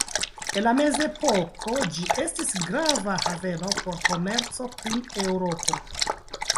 En la mezepoko ĝi estis grava haveno por komerco kun Eŭropo.